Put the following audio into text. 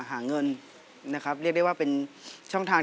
เพลงนี้อยู่ในอาราบัมชุดแรกของคุณแจ็คเลยนะครับ